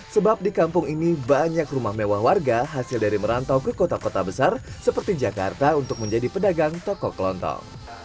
sebab di kampung ini banyak rumah mewah warga hasil dari merantau ke kota kota besar seperti jakarta untuk menjadi pedagang toko kelontong